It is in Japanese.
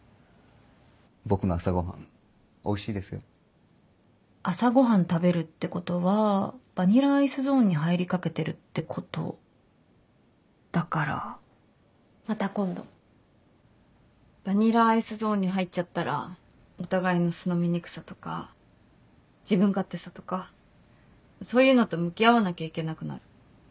僕の朝ごはんおいしいですよ朝ごはん食べるってことはバニラアイスゾーンに入りかけてるってことだからまた今度バニラアイスゾーンに入っちゃったらお互いの素の醜さとか自分勝手さとかそういうのと向き合わなきゃいけなくなる。